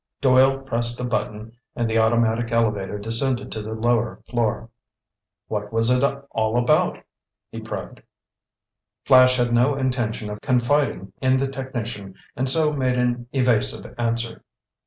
Doyle pressed a button and the automatic elevator descended to the lower floor. "What was it all about?" he probed. Flash had no intention of confiding in the technician and so made an evasive answer.